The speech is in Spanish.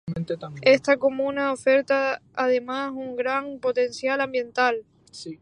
Esta comuna oferta además un gran potencial ambiental.